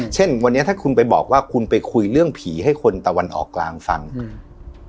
เช่นวันนี้ถ้าคุณไปบอกว่าคุณไปคุยเรื่องผีให้คนตะวันออกกลางฟังอืม